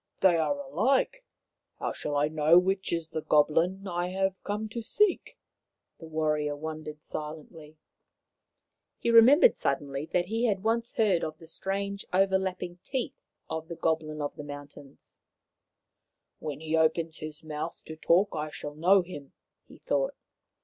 " They are alike. How shall I know which is the goblin I have come to seek ?" the warrior wondered silently. 222 Maoriland Fairy Tales He remembered suddenly that he had once heard of the strange overlapping teeth of the goblin of the mountains. " When he opens his mouth to talk I shall know him," he thought.